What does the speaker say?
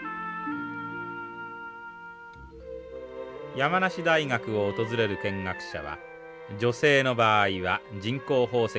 山梨大学を訪れる見学者は女性の場合は人工宝石の研究室を。